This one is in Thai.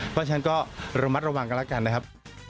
เพราะฉะนั้นก็ระมัดระวังกันแล้วกันนะครับ